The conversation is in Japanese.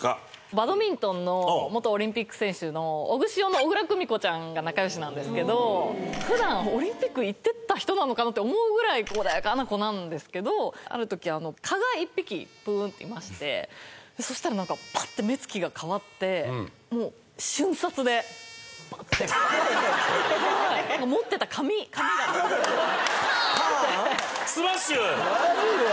バドミントンの元オリンピック選手のオグシオの小椋久美子ちゃんが仲よしなんですけど普段オリンピック行ってた人なのかなって思うぐらい穏やかな子なんですけどある時あの蚊が１匹ブーンっていましてそしたら何かパッて目つきが変わってもう瞬殺でパッてはい持ってた紙紙なんですけどパーンってスマッシュマジで？